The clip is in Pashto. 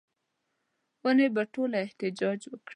ونې به ټوله احتجاج وکړي